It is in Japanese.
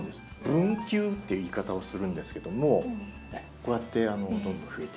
「分球」という言い方をするんですけどもこうやってどんどん増えていく。